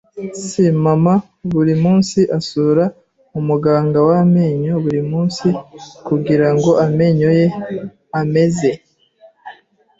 [S] Mama buri munsi asura umuganga w’amenyo buri munsi kugirango amenyo ye ameze.